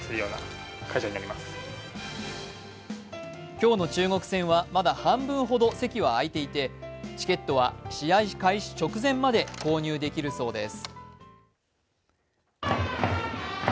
今日の中国戦はまだ半分ほど席は空いていてチケットは試合開始直前まで購入できるそうです。